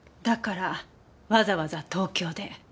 だからわざわざ東京で。